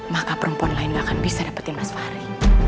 maka perempuan lain gak akan bisa dapetin mas fahri